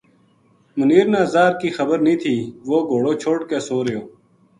منیر نا زاہر کی خبرنیہہ تھی وہ گھوڑا چھوڈ کے سو رہیو